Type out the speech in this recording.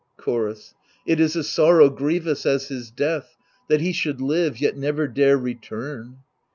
Chorus It is a sorrow grievous as his death, That he should live yet never dare return.